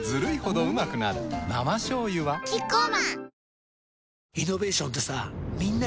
生しょうゆはキッコーマン